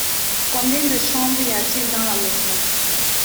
Combien de chambres y a-t-il dans la maison ?